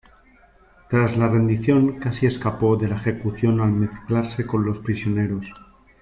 Tras la rendición, casi escapó de la ejecución al mezclarse con los prisioneros.